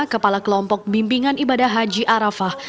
kepala kelompok bimbingan ibadah haji arafah